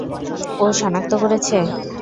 ও শনাক্ত করেছে?